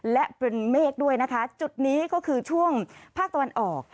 และเป็นเมฆด้วยนะคะจุดนี้ก็คือช่วงภาคตะวันออก